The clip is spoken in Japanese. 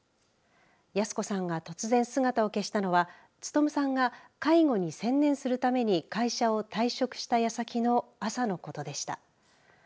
泰子さんが突然姿を消したのは勉さんが介護に専念するために会社を退職した矢先の朝のことでした。